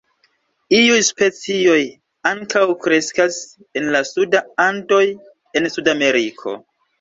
Iuj specioj ankaŭ kreskas en la suda Andoj en Sudameriko.